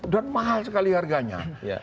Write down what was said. dan mahal sekali harganya